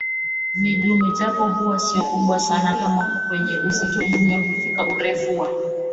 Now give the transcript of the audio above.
na dume japo huwa sio kubwa sana kama kwenye uzito Dume hufika urefu wa